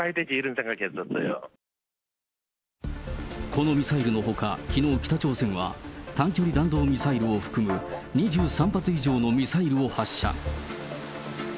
このミサイルのほか、きのう、北朝鮮は短距離弾道ミサイルを含む２３発以上のミサイルを発射。